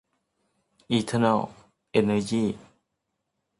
อีเทอเนิล เอนเนอยี